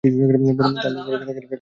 তাহলে বরং এখানে বসিয়ে রেখে যাচ্ছি।